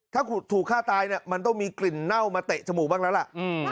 ถ้าถูกฆ่าตายเนี่ยมันต้องมีกลิ่นเน่ามาเตะจมูกบ้างแล้วล่ะ